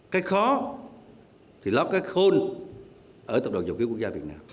cái khó thì lắp cái khôn ở tập đoàn dầu khí quốc gia việt nam